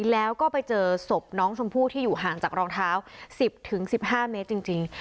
แล้วก็ไปเจอศพน้องชมพู่ที่อยู่ห่างจากรองเท้า๑๐๑๕เมตรจริง